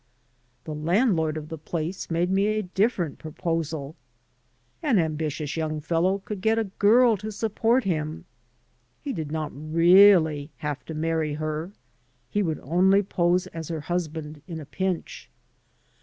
The landlord of the place made me a different proposal. An ambitious young fellow cotdd get a girl to support him. He did not reaUy have to marry her; he would only pose as her 115 AN AMERICAN IN THE MAKIN.G husband at a pinch.